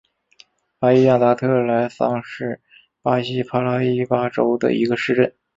巴伊亚达特莱桑是巴西帕拉伊巴州的一个市镇。